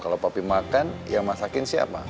kalau papi makan yang masakin siapa